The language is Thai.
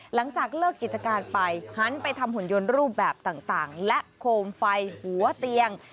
หลังจากเลิกกิจการไปหันไปทำหุ่นยนต์รูปแบบต่างและโคมไฟหัวเตียง